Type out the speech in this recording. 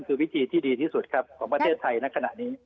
คือวิธีที่ดีที่สุดครับของประเทศไทยณขณะนี้